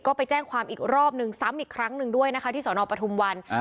ก็ไปแจ้งความอีกรอบนึงซ้ำอีกครั้งหนึ่งด้วยนะคะที่สนปทุมวัน